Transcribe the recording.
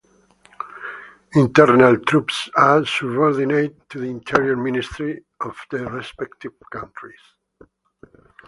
Internal Troops are subordinated to the interior ministries of the respective countries.